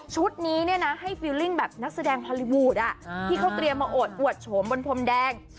ชุดนี้ให้ฟิลลิ่งแบบนักแสดงพอลิวูดที่เขาเกลียงมาอดอวดโฉมบนพรมแดง